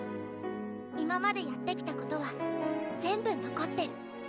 今までやってきたことは全部残ってる。